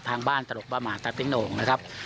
ทางบ้านตลกบ้าหมาตะติ๊งโหงนะครับ